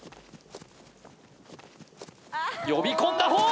呼び込んだほう！